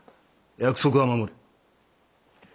約束は守る。